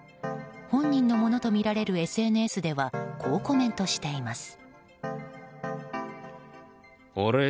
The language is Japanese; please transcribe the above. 本人のものとみられるＳＮＳではこうコメントしています。